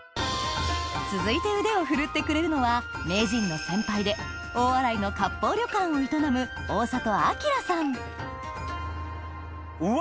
続いて腕を振るってくれるのは名人の先輩で大洗の割烹旅館を営むうわ！